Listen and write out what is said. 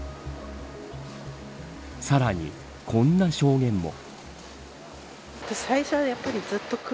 さらに、こんな証言も。